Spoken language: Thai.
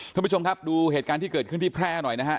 ท่านผู้ชมครับดูเหตุการณ์ที่เกิดขึ้นที่แพร่หน่อยนะฮะ